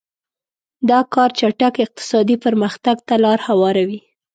دا کار چټک اقتصادي پرمختګ ته لار هواروي.